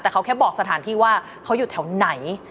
แต่เขาแค่บอกสถานที่ว่าเขาอยู่แถวไหน